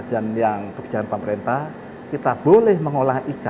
dan yang pekerjaan pemerintah kita boleh mengolahi ikan